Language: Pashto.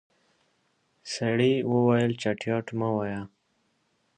سړی وويل چټياټ مه وايه.